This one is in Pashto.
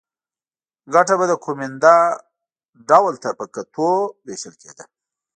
ګټه به د کومېندا ډول ته په کتو وېشل کېده